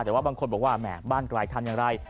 แต่ว่าบางคนบอกว่าแหมบ้านไกลทำอย่างไร